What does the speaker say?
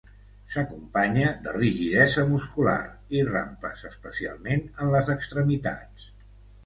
S'acompanya de rigidesa muscular i rampes especialment en les extremitats.